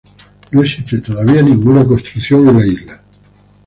No existe todavía ninguna construcción en la isla.